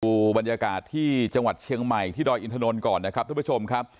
ดูบรรยากาศที่จังหวัดเชียงใหม่ที่ดอยอินทนนท์ก่อนนะครับทุกผู้ชมครับ